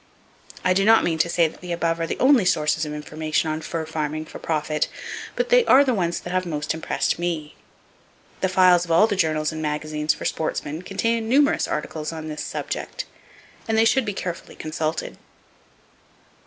I do not mean to say that the above are the only sources of information on fur farming for profit, but they are the ones that have most impressed me. The files of all the journals and magazines for sportsmen contain numerous articles on this subject, and they should be carefully consulted.